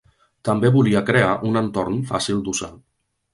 També volia crear un entorn fàcil d'usar.